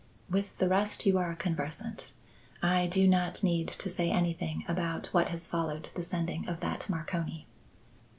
With the rest you are conversant. I do not need to say anything about what has followed the sending of that Marconi."